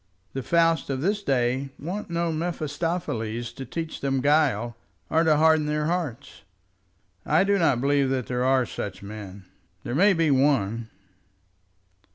The Fausts of this day want no Mephistopheles to teach them guile or to harden their hearts." "I do not believe that there are such men. There may be one."